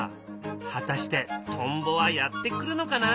果たしてトンボはやって来るのかな。